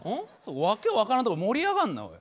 訳分からんとこで盛り上がんなおい。